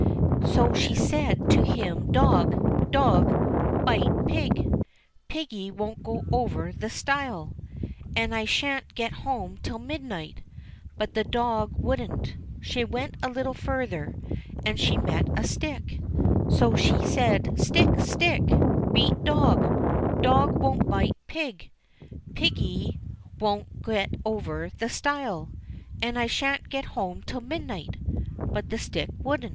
So she said to him, " Dog ! dog ! bite pig ; piggy won't go over the stile ; and I shan't get home till midnight." But the dog wouldn't. She went a little further, and she met a stick. So she said, "Stick! stick! beat dog; dog won't bite pig; piggy 252 THE OLD WOMAN AND HER PIG 253 won't get over the stile ; and I shan't get home till midnight." But the stick wouldn't.